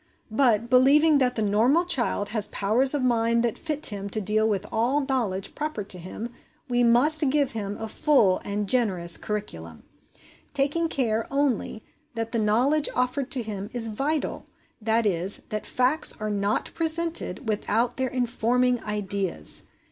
But, believing that the normal child has powers of mind that fit him to deal with all knowledge proper to him, we must give him a full and generous curriculum ; taking care, only, that the knowledge offered to him is vital that is, that facts are not presented without their informing ideas.